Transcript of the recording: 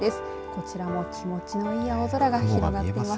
こちらも気持ちのいい青空が広がっています。